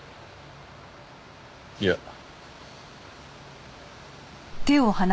いや。